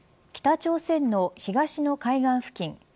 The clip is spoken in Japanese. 北朝鮮の東の海岸付近